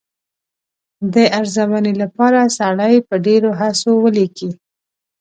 د ارزونې لپاره سړی په ډېرو هڅو ولیکي.